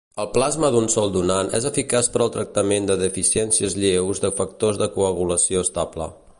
El plasma d'un sol donant és eficaç per al tractament de deficiències lleus de factors de coagulació estable.